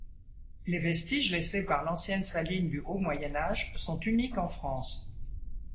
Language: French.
Les vestiges laissés par l'ancienne saline du haut Moyen Âge sont uniques en France.